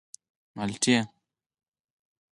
_مالټې.